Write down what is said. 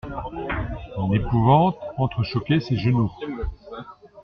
L'épouvante entrechoquait ses genoux.